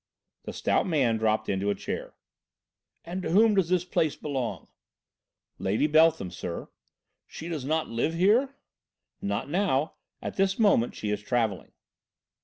The stout man dropped into a chair. "And to whom does this place belong?" "Lady Beltham, sir." "She does not live here?" "Not now. At this moment she is travelling."